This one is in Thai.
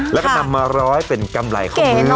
แล้วก็นำมาร้อยเป็นกำไรข้อมือ